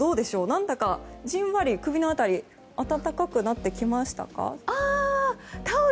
何だか、じんわり首の辺り温かくなってきましたか？